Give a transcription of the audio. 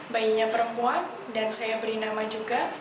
bayinya perempuan dan saya beri nama juga